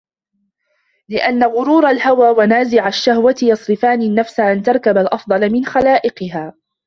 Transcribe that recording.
لِأَنَّ غُرُورَ الْهَوَى وَنَازِعَ الشَّهْوَةِ يَصْرِفَانِ النَّفْسَ أَنْ تَرْكَبَ الْأَفْضَلَ مِنْ خَلَائِقِهَا